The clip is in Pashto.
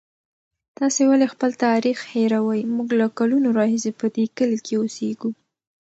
تاسې ولې خپل تاریخ هېروئ؟ موږ له کلونو راهیسې په دې کلي کې اوسېږو.